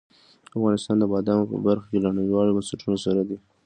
افغانستان د بادامو په برخه کې له نړیوالو بنسټونو سره دی.